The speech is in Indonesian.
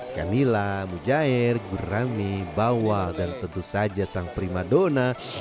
ikan nila mujaer gurame bawah dan tentu saja sang primadona